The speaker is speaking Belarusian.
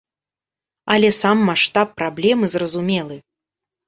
Але сам маштаб праблемы зразумелы.